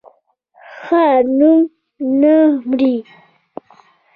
ښه نوم نه مري